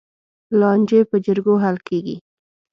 لانجې په جرګو حل کېږي.